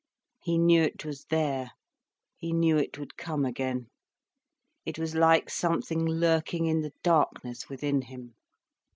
He knew it was there, he knew it would come again. It was like something lurking in the darkness within him.